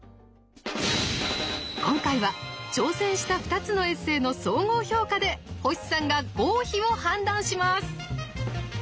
今回は挑戦した２つのエッセーの総合評価で星さんが合否を判断します。